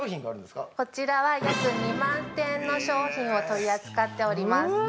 ◆こちらは約２万点の商品を取り扱っております。